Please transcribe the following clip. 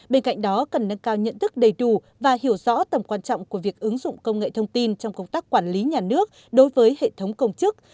bên cạnh đó cần nâng cao nhận thức đầy đủ và hiểu rõ tầm quan trọng của việc ứng dụng công nghệ thông tin trong công tác quản lý nhà nước đối với hệ thống công chức